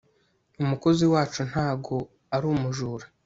umukozi wacu ntago arumujura